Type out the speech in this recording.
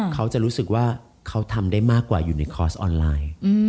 เขาจะรู้สึกว่าเขาทำได้มากกว่าอยู่ในคอร์สออนไลน์